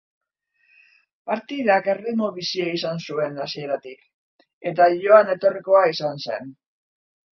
Partidak erritmo bizia izan zuen hasieratik eta joan etorrikoa izan zen.